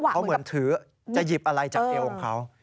เขาเหมือนถือจะหยิบอะไรจากเอวของเขา